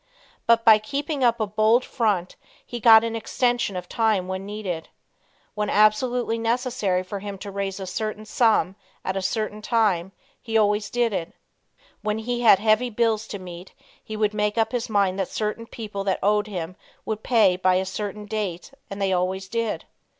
But by keeping up a bold front he got an extension of time when needed. When absolutely necessary for him to raise a certain sum at a certain time he always did it. When he had heavy bills to meet he would make up his mind that certain people that owed him would pay by a certain date and they always did.